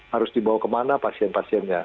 harus dibawa kemana pasien pasiennya